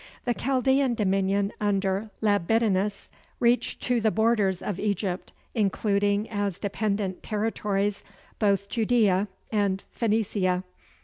The Chaldean dominion under Labynetus reached to the borders of Egypt, including as dependent territories both Judæa and Phenicia.